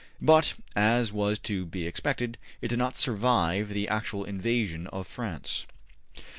But, as was to be expected, it did not survive the actual invasion of France.